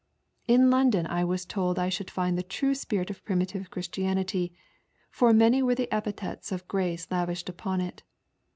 lo Loudon I was told I should find the true spirit of Primitive Christianity, for many ware the epithets of grace lavished upon it.